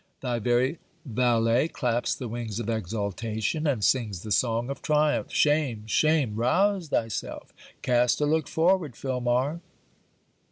Thy very valet claps the wings of exultation, and sings the song of triumph! Shame! shame! Rouse thyself! cast a look forward, Filmar!